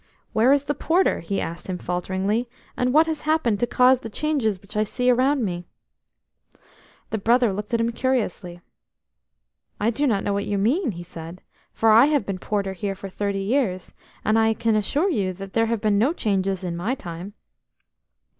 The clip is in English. "Where is the porter?" he asked him falteringly, "and what has happened to cause the changes which I see around me?" The Brother looked at him curiously. "I do not know what you mean," he said, "for I have been porter here for thirty years, and I can assure you that there have been no changes in my time."